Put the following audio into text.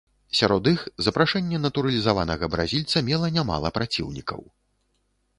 Сярод іх, запрашэнне натуралізаванага бразільца мела нямала праціўнікаў.